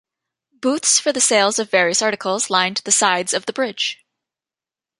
Booths for the sale of various articles lined the sides of the bridge.